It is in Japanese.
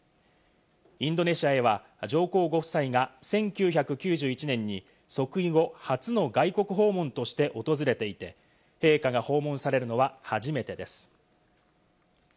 インドネシアへは上皇ご夫妻が１９９１年に即位後初の外国訪問として訪れていて、陛下が訪問されるのは初めてです。